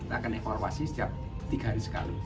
kita akan evaluasi setiap tiga hari sekali